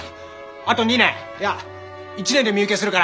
あと２年いや１年で身請けするから！